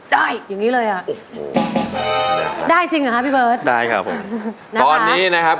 อย่างงี้เลยอ่ะได้จริงเหรอคะพี่เบิร์ตได้ครับผมตอนนี้นะครับ